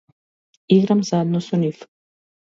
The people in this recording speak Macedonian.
Играм заедно со нив.